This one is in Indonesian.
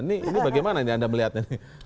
ini bagaimana ini anda melihatnya